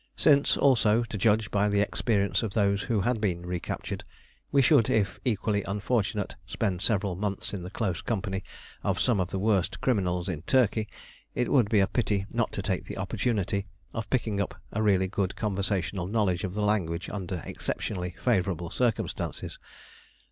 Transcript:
Since, also, to judge by the experience of those who had been recaptured, we should, if equally unfortunate, spend several months in the close company of some of the worst criminals in Turkey, it would be a pity not to take the opportunity of picking up a really good conversational knowledge of the language under exceptionally favourable circumstances.